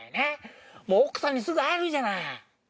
もう奥さんにすぐ会えるじゃない。